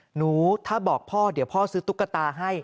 หนูถ้าบอกพ่อเดี๋ยวพ่อซื้อตุ๊กตาให้